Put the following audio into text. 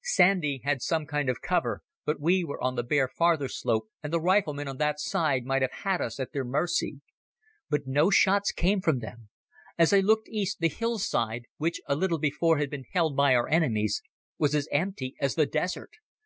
Sandy had some kind of cover, but we were on the bare farther slope, and the riflemen on that side might have had us at their mercy. But no shots came from them. As I looked east, the hillside, which a little before had been held by our enemies, was as empty as the desert.